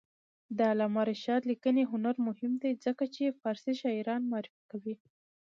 د علامه رشاد لیکنی هنر مهم دی ځکه چې فارسي شاعران معرفي کوي.